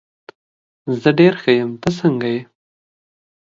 زه ډېر ښه یم، ته څنګه یې؟